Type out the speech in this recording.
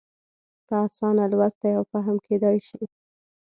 په اسانه لوستی او فهم کېدای شي.